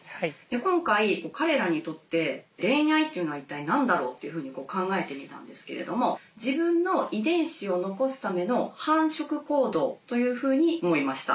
今回彼らにとって恋愛っていうのは一体何だろうっていうふうに考えてみたんですけれども自分のというふうに思いました